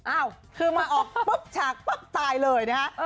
อ้าวคือมาออกปุ๊บฉากปุ๊บตายเลยนะฮะ